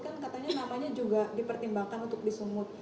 kan katanya namanya juga dipertimbangkan untuk disungut